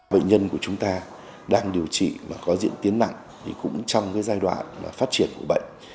bệnh nhân của chúng ta đang điều trị và có diễn tiến nặng cũng trong giai đoạn phát triển của bệnh